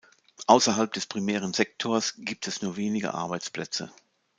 Außerhalb des primären Sektors gibt es nur wenige Arbeitsplätze.